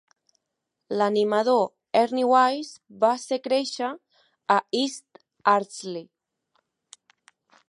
L'animador Ernie Wise va ser créixer a East Ardsley.